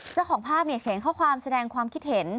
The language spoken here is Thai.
เจ้าของภาพเขียนข้อความแสดงความคิดเห็น